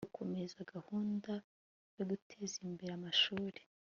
gukomeza gahunda yo guteza imbere amashuri